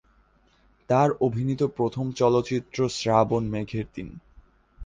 তার অভিনীত প্রথম চলচ্চিত্র শ্রাবণ মেঘের দিন।